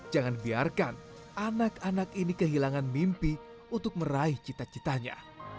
jangan biarkan anak anak ini kehilangan mimpi untuk meraih cita citanya